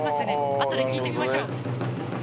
あとで聞いてみましょう。